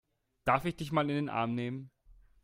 Darf ich dich mal in den Arm nehmen?